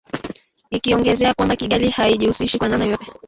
ikiongezea kwamba Kigali haijihusishi kwa namna yoyote